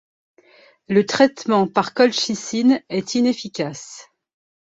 Le traitement par colchicine est inefficace.